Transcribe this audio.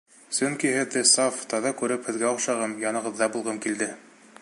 Сөнки һеҙҙе саф, таҙа күреп, һеҙгә оҡшағым, янығыҙҙа булғым килде.